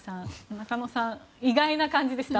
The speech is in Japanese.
中野さん、意外な感じでした。